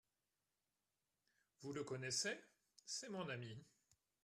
Vous le connaissez ? C'est mon ami.